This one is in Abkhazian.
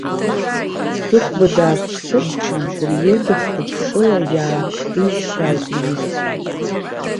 Зыхәба даақәыԥсычҳан, дырҩегьх лаԥшыла иааиԥхьишьшьааит иҩызцәа.